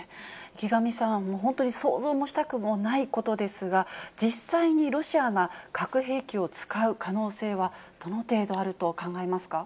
池上さん、本当に想像もしたくもないことですが、実際にロシアが核兵器を使う可能性はどの程度あると考えますか。